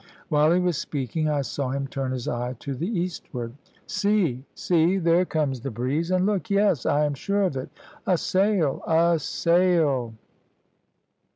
"While he was speaking I saw him turn his eye to the eastward. "`See! see there comes the breeze; and look yes, I am sure of it a sail! a sail!'